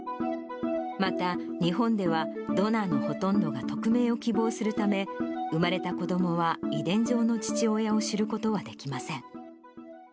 また、日本ではドナーのほとんどが匿名を希望するため、生まれた子どもは遺伝上の父親を知ることはできません。